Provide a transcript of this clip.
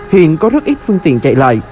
hiện có rất ít phương tiện chạy lại